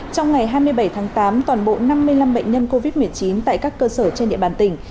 trong ngày hai mươi bảy tháng tám toàn bộ năm mươi năm bệnh nhân covid một mươi chín tại các cơ sở trên địa bàn tỉnh